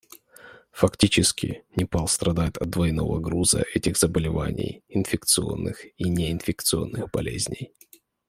Фактически, Непал страдает от двойного груза этих заболеваний — инфекционных и неинфекционных болезней.